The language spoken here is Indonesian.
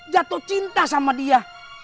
jatuh cinta sama dia